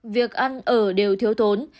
việc ăn ở đều thiếu tốn